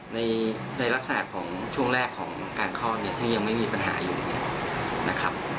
ในลักษณะของช่วงแรกของการคลอดเนี่ยที่ยังไม่มีปัญหาอยู่เนี่ยนะครับ